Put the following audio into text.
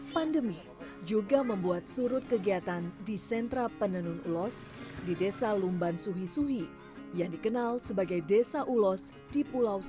pandemi juga membuat surut kegiatan di sentra penenun ulos di desa lumban suhi suhi yang dikenal sebagai desa ulos di pulau seribu